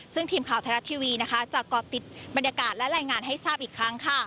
ซึ่งทีมข่าวไทยรัฐทีวีจะก่อติดบรรยากาศและรายงานให้ทราบอีกครั้ง